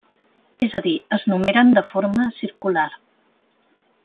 És a dir, es numeren de forma circular.